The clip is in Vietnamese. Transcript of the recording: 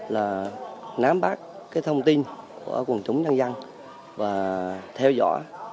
là nám bắt cái thông tin của quần chúng dân dân và theo dõi